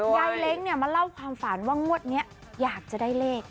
ยายเล้งเนี่ยมาเล่าความฝันว่างวดเนี่ยอยากจะได้เลข